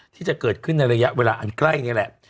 ที่จะเกิดขึ้นในระยะเวลาอันใกล้นี่แหละ